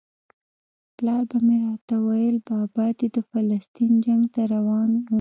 پلار به مې راته ویل بابا دې د فلسطین جنګ ته روان و.